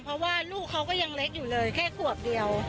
เพราะว่าลูกเขาก็ยังเล็กอยู่เลยแค่ขวบเดียว